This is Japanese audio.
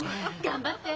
頑張って！